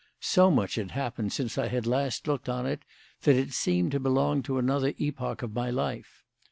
So much had happened since I had last looked on it that it seemed to belong to another epoch of my life.